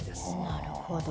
なるほど。